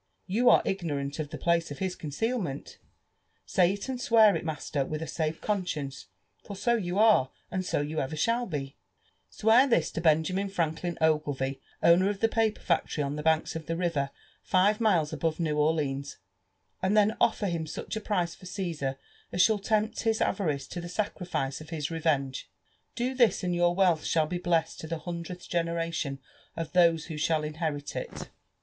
You are ignorant of the place of his concealmeni— say ft, and s^ear it, master, with a safe conscience, for so you are, and so yon ever shaH be ; —swear this to Benjamin Franklin Oglevie, owner of the paper factory on the hanks of the river five miles above New Orleans^ lind then ol!l»r him such a price for Ga^ar as shall tempt his avarice to the saeri6ae of his revenge. Do this, and your wealth shall be bleSSted to the hundredth generation of those who shall inherit it.'